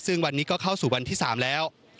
ซึ่งวันนี้ก็เข้าสู่วันที่๓แล้ว